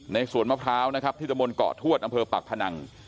ในสวนมะพร้าวที่จะม่นของอำเภอปากฑนัง